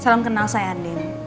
salam kenal saya andin